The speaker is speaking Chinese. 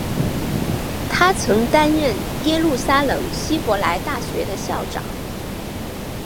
他曾担任耶路撒冷希伯来大学的校长。